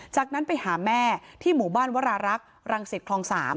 จากนั้นไปหาแม่ที่หมู่บ้านวรารักษ์รังสิตคลอง๓